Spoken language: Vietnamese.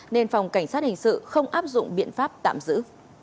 nên phòng cảnh sát hình sự không áp dụng biện pháp tạm giữ